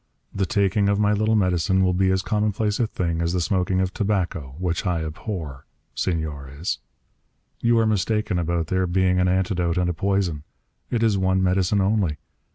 The taking of my little medicine will be as commonplace a thing as the smoking of tobacco, which I abhor, Senores. You are mistaken about there being an antidote and a poison. It is one medicine only.